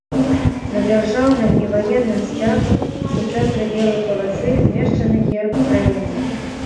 На дзяржаўным і ваенным сцягах у цэнтры белай паласы змешчаны герб краіны.